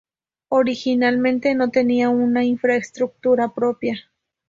Originalmente no tenía una infraestructura propia.